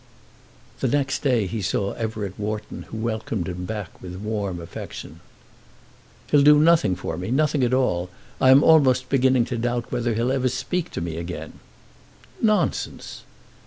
The next day he saw Everett Wharton, who welcomed him back with warm affection. "He'll do nothing for me; nothing at all. I am almost beginning to doubt whether he'll ever speak to me again." "Nonsense!"